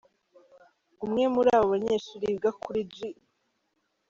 Umwe muri abo banyeshuri wiga kuri G.